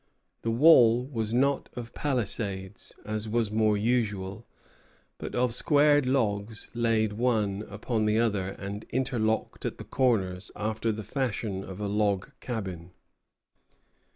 The wall was not of palisades, as was more usual, but of squared logs laid one upon another, and interlocked at the corners after the fashion of a log cabin.